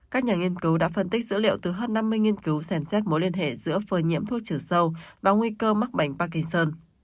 các nhà nghiên cứu đã phân tích dữ liệu từ hơn năm mươi nghiên cứu xem xét mối liên hệ giữa phơi nhiễm thuốc trừ sâu và nguy cơ mắc bệnh pakison